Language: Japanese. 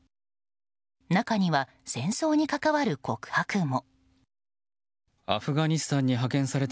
中には戦争に関わる告白も。